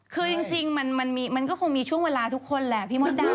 คือจริงมันก็คงมีช่วงเวลาทุกคนแหละพี่มดดำ